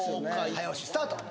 早押しスタート